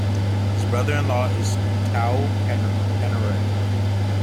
His brother-in-law is Tau Henare.